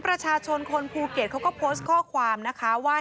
ประชาชนคนภูเก็ตเขาก็โพสต์ข้อความนะคะว่า